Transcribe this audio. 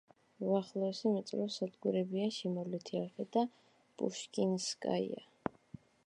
უახლოესი მეტროს სადგურებია „შემოვლითი არხი“ და „პუშკინსკაია“.